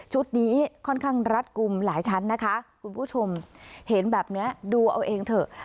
นี้ค่อนข้างรัดกลุ่มหลายชั้นนะคะคุณผู้ชมเห็นแบบนี้ดูเอาเองเถอะ